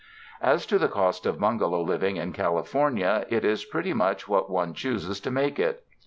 As to the cost of bungalow living in California, it is pretty much what one chgoses to make it.